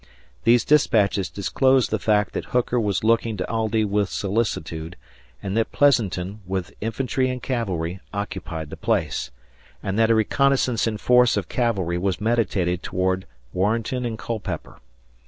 These despatches disclosed the fact that Hooker was looking to Aldie with solicitude, and that Pleasanton, with infantry and cavalry, occupied the place; and that a reconnaissance in force of cavalry was meditated toward Warrenton and Culpeper.